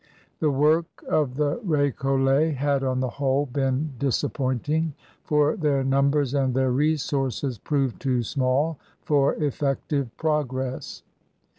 The work of the R6collets had, on the whole, been dis appointing, for their numbers and their resources proved too small for effective progress.